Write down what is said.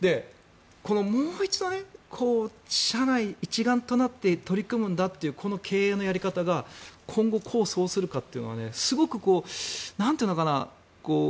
もう一度、社内一丸となって取り組むんだというこの経営のやり方が今後、功を奏するかというのはすごく、なんというかな